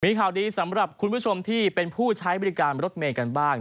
มีข่าวดีสำหรับคุณผู้ชมที่เป็นผู้ใช้บริการรถเมย์กันบ้าง